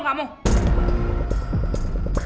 gumpir kalau ya